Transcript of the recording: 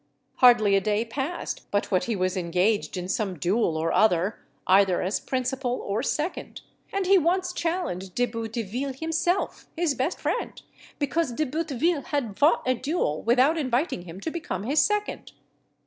Hardly a day passed but what he was engaged in some duel or other, either as principal or second; and he once challenged De Bouteville himself, his best friend, because De Bouteville had fought a duel without inviting him to become his second.